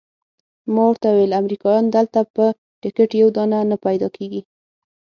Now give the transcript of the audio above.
ما ورته وویل امریکایان دلته په ټکټ یو دانه نه پیدا کیږي.